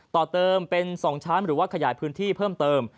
ต่อเติมเป็น๒ชั้นหรือว่าขยายพื้นที่เพิ่มเติม